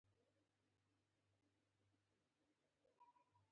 د ده کنډک چېرې و؟ پر ټوپکوالو مې.